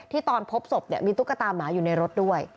ที่ตอนพบศพเนี่ยมีตุ๊กตาหมาอยู่ในรถด้วย